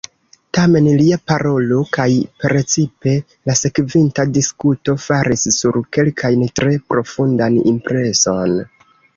Tamen lia parolo, kaj precipe la sekvinta diskuto, faris sur kelkajn tre profundan impreson.